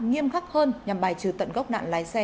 nghiêm khắc hơn nhằm bài trừ tận gốc nạn lái xe